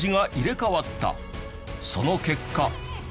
その結果。